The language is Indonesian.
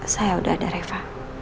saya udah ada reva